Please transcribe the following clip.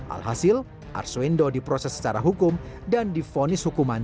alhasil arswendo diproses secara hukum dan difilm oleh penyelidikan